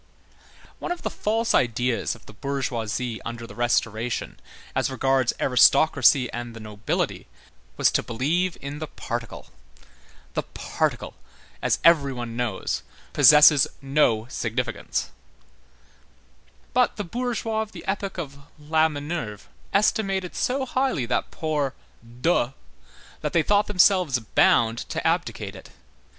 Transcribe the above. One of the false ideas of the bourgeoisie under the Restoration as regards aristocracy and the nobility was to believe in the particle. The particle, as every one knows, possesses no significance. But the bourgeois of the epoch of la Minerve estimated so highly that poor de, that they thought themselves bound to abdicate it.